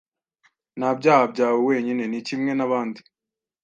Nta byaha byawe wenyine nikimwe nabandi